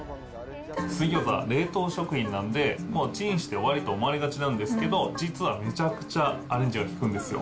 水餃子、冷凍食品なんで、もうチンして終わりと思われがちなんですけど、実はめちゃくちゃアレンジが効くんですよ。